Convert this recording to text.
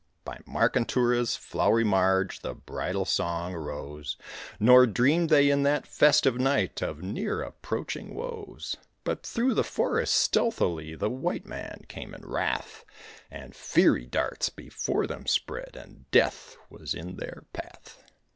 By Markentura's flowery marge the bridal song arose, Nor dreamed they in that festive night of near approaching woes; But through the forest stealthily the white man came in wrath. And fiery darts before them spread, and death was in their path.